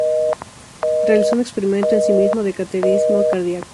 Realizó un experimento en sí mismo de cateterismo cardíaco.